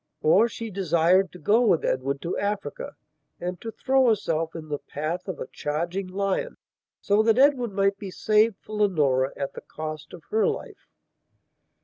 Or, she desired to go with Edward to Africa and to throw herself in the path of a charging lion so that Edward might be saved for Leonora at the cost of her life.